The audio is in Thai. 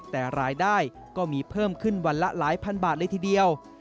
แต่รายได้ก็มีเพิ่มขึ้นวันละหลายพันบาทเลยทีเดียว